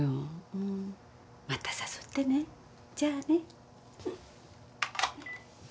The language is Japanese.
うんまた誘ってねじゃあね。